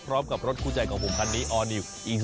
พร้อมกับรถคู่ใจของผมครั้นนี้